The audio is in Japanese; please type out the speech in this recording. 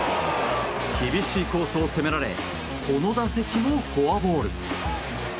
厳しいコースを攻められこの打席もフォアボール。